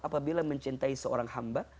apabila mencintai seorang hamba